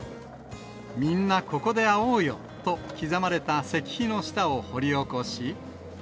みんなここであおうよと刻まれた石碑の下を掘り起こし。